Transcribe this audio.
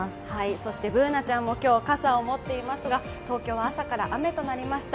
そしてＢｏｏｎａちゃんも今日、傘を持っていますが東京は朝から雨となりました。